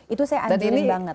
itu saya anjurin banget